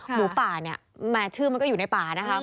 หมูป่าเนี่ยแม้ชื่อมันก็อยู่ในป่านะคะ